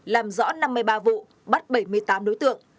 làm rõ năm mươi ba vụ bắt bảy mươi tám đối tượng